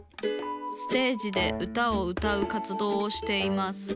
ステージで歌を歌う活動をしています。